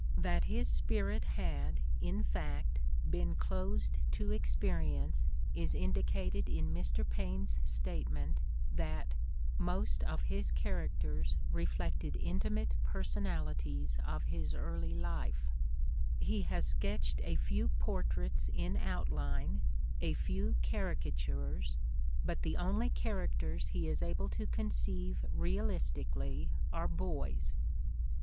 That his spirit had, in fact, been closed to experience is indicated in Mr. Paine 's statement that "most of his characters reflected intimate personalities of his early life"; he has sketched a few portraits in outline, a few caricatures, bu t the only characters he is able to J3onceive_. realisti cally are boys.